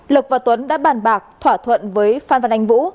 lực và tuấn đã bàn bạc thỏa thuận với phan văn anh vũ